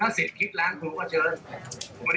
ถ้าศิษย์คิดล้างคุณก็เชิญ